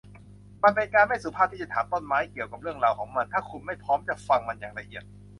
มันเป็นการไม่สุภาพที่จะถามต้นไม้เกี่ยวกับเรื่องราวของมัน ถ้าคุณไม่พร้อมจะฟังมันอย่างละเอียด